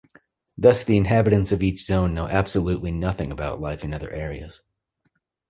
Thus, the inhabitants of each zone know absolutely nothing about life in other areas.